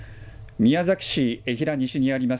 宮崎市江平西にあります